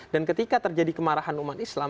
dan ketika terjadi kemarahan umat islam